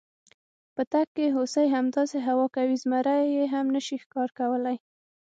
په تګ کې هوسۍ، همداسې هوا کوي، زمري یې هم نشي ښکار کولی.